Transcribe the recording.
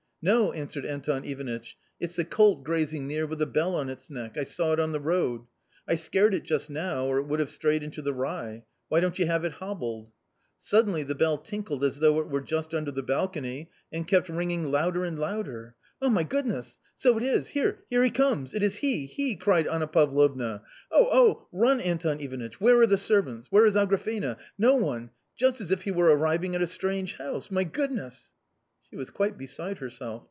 "No," answered Anton Ivanitch, "it's the colt grazing near with a bell on its neck ; I saw it on the road. I scared it just now, or it would have strayed into the rye. Why don't you have it hobbled ?" Suddenly the bell tinkled as though it were just under the balcony and kept ringing louder and louder. " Ah, my goodness ! so it is ; here, here he comes. It is he, he !" cried Anna Pavlovna. " Oh, oh ! Run, Anton Ivanitch ! Where are the servants ? Where is Agrafena ? No one .... just as if he were arriving at a strange house ; my goodness !" She was quite beside herself.